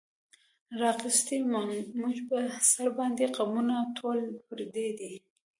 راغیستې مونږ پۀ سر باندې غمونه ټول پردي دي